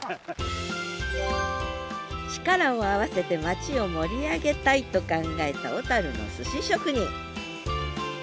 力を合わせて町を盛り上げたいと考えた小のすし職人。